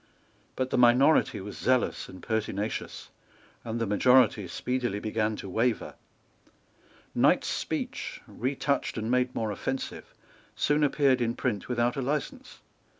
But the minority was zealous and pertinacious; and the majority speedily began to waver. Knight's speech, retouched and made more offensive, soon appeared in print without a license.